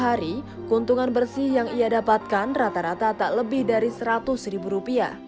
sehari keuntungan bersih yang ia dapatkan rata rata tak lebih dari rp seratus